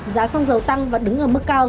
giá sông dầu tăng và đứng ở mức cao